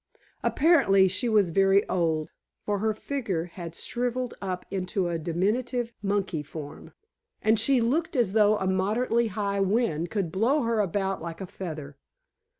Apparently she was very old, for her figure had shrivelled up into a diminutive monkey form, and she looked as though a moderately high wind could blow her about like a feather.